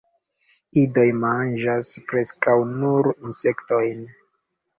Idoj manĝas preskaŭ nur insektojn.